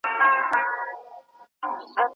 سياسي علومو انسانانو ته د واک لېږد ورزده کړ.